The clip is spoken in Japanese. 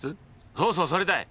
そうそうそれだい！